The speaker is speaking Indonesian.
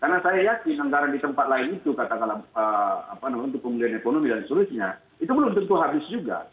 karena saya yakin anggaran di tempat lain itu katakanlah untuk pemulihan ekonomi dan sebagainya itu belum tentu habis juga